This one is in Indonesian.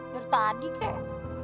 dar tadi kek